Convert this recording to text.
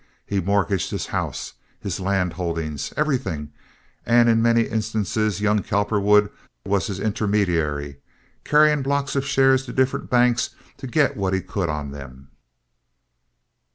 He mortgaged his house, his land holdings—everything; and in many instances young Cowperwood was his intermediary, carrying blocks of shares to different banks to get what he could on them.